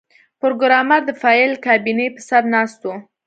پروګرامر د فایل کابینې په سر ناست و